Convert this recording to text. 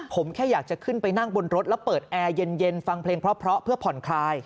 ผมแค่อยากจะขึ้นไปนั่งบนรถแล้วเปิดแอร์เย็นฟังเพลงเพราะเพื่อผ่อนคลาย